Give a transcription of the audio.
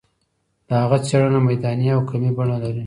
د هغه څېړنه میداني او کمي بڼه لري.